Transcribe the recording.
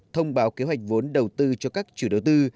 thông báo kế hoạch vốn đầu tư cho các chủ đầu tư